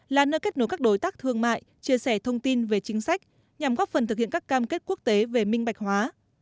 là nơi kết nối các đối tác thương mại chia sẻ thông tin về chính sách nhằm góp phần thực hiện các cam kết quốc tế về minh bạch hóa